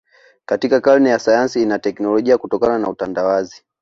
Katika karne ya sayansi na teknolojia kutokana na utandawazi